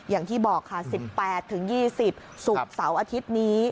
อย่างที่บอกค่ะ๑๘๒๐ศุกร์เสาร์อาทิตย์นี้